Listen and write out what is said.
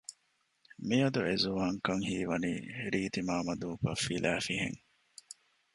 މިއަދު އެ ޒުވާންކަން ހީވަނީ ރީތިމާމަ ދޫކޮށް ފިލައިފިހެން